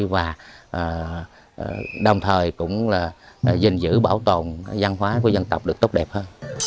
và đồng thời cũng là dình dữ bảo tồn văn hóa của dân tộc được tốt đẹp hơn